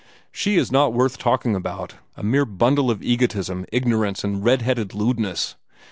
"She is not worth talking about a mere bundle of egotism, ignorance, and red headed lewdness.